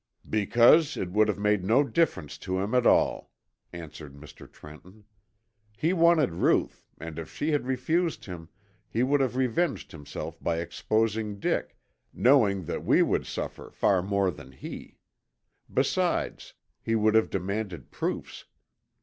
"Because it would have made no difference to him at all," answered Mr. Trenton. "He wanted Ruth and if she had refused him he would have revenged himself by exposing Dick, knowing that we would suffer far more than he. Besides, he would have demanded proofs.